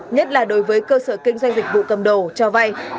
nhất là đối với cơ sở kinh doanh dịch vụ cầm đồ cho vay